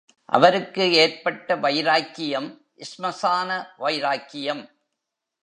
அவருக்கு ஏற்பட்ட வைராக்கியம் ஸ்மசான வைராக்கியம்.